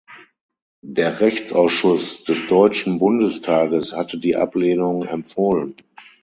Der Rechtsausschuss des deutschen Bundestages hatte die Ablehnung empfohlen.